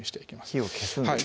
火を消すんですね